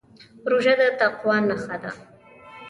روژه د تقوا نښه ده.